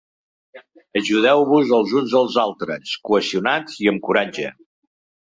Ajudeu-vos els uns als altres, cohesionats i amb coratge.